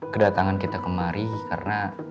kedatangan kita kemari karena